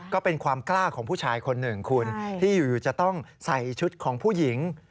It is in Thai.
ก็เป็นความกล้าของผู้ชายคนหนึ่งคุณที่อยู่จะต้องใส่ชุดของผู้หญิง